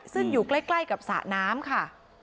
ซึ่งอยู่ใกล้กับสระน้ำค่ะ